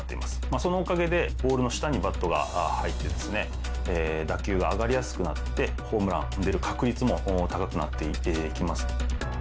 そのおかげでボールの下にバットが入って打球が上がりやすくなってホームラン出る確率も高くなってきます。